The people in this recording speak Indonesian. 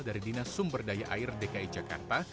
dari dinas sumber daya air dki jakarta